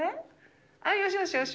はい、よしよしよし。